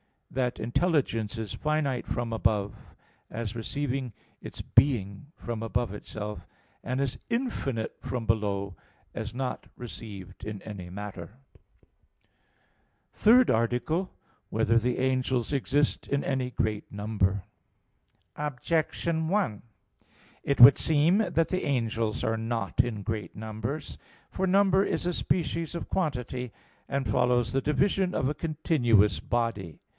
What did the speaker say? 16) that "intelligence is finite from above," as receiving its being from above itself, and is "infinite from below," as not received in any matter. _______________________ THIRD ARTICLE [I, Q. 50, Art. 3] Whether the Angels Exist in Any Great Number? Objection 1: It would seem that the angels are not in great numbers. For number is a species of quantity, and follows the division of a continuous body.